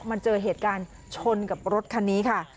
มันเจอเหตุการณ์ชนกับรถคันนี้ค่ะ